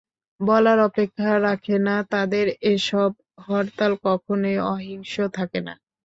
বলার অপেক্ষা রাখে না, তাদের এসব হরতাল কখনোই অহিংস থাকে না।